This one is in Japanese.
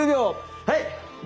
はい！